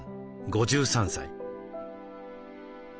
５３歳。